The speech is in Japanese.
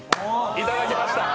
いただきました。